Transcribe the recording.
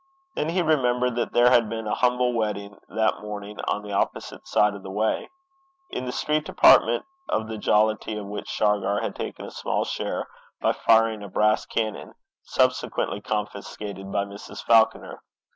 Then he remembered that there had been a humble wedding that morning on the opposite side of the way; in the street department of the jollity of which Shargar had taken a small share by firing a brass cannon, subsequently confiscated by Mrs. Falconer.